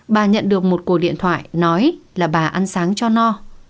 bà nhận được một cuộc điện thoại nói là bà ăn sáng cho no